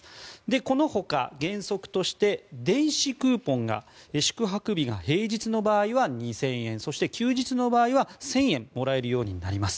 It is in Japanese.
このほか原則として電子クーポンが宿泊日が平日の場合は２０００円そして、休日の場合は１０００円もらえるようになります。